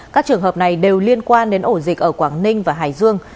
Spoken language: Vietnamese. các trường hợp này đều liên quan đến ổ dịch ở quảng ninh và hải dương